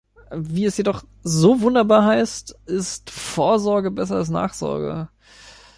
Wie es jedoch so wunderbar heißt, ist Vorsorge besser als Nachsorge.